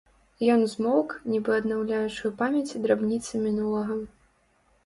Ён змоўк, нібы аднаўляючы ў памяці драбніцы мінулага.